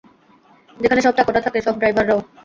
যেখানে সব চাকররা থাকে, সব ড্রাইভাররাও।